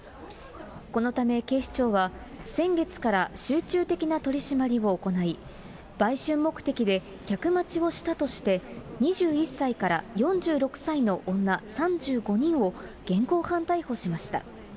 このため警視庁は、先月から集中的な取締りを行い、売春目的で客待ちをしたとして、２１歳から４６歳の女３５人を現行犯逮捕しました。